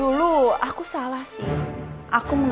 aku akan dianggap sebagai anakkanmu